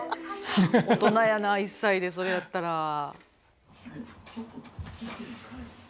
大人やな１歳でそれやったら。